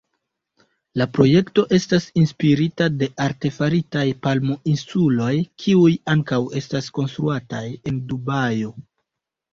La projekto estas inspirita de la artefaritaj Palmo-insuloj, kiuj ankaŭ estas konstruataj en Dubajo.